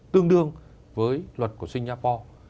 tương đương với luật của singapore